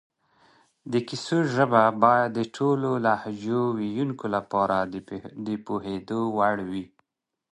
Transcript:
د کیسې ژبه باید د ټولو لهجو ویونکو لپاره د پوهېدو وړ وي